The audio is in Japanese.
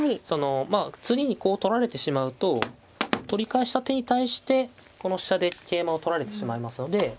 そのまあ次にこう取られてしまうと取り返した手に対してこの飛車で桂馬を取られてしまいますので。